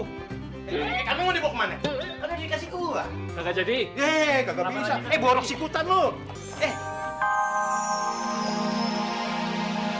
eh kamu mau dibawa kemana